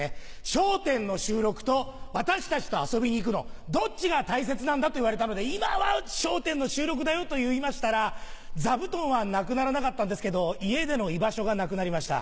『笑点』の収録と私たちと遊びに行くのどっちが大切なんだと言われたので今は『笑点』の収録だよと言いましたら座布団はなくならなかったんですけど家での居場所がなくなりました。